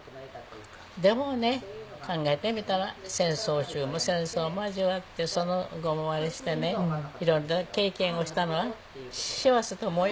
でもね考えてみたら戦争中も戦争も味わってその後もあれしてねいろんな経験をしたのは幸せと思うよ。